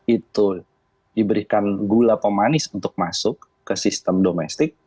itu diberikan gula pemanis untuk masuk ke sistem domestik